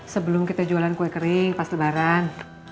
sebelum kita jualan kue kering pas lebaran